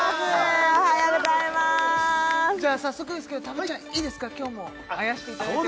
おはようございまーすじゃあ早速ですけどたぶっちゃんいいですか今日もあやしていただいても？